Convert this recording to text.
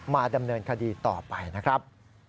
มาดำเนินคดีต่อไปนะครับ